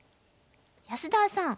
安田さん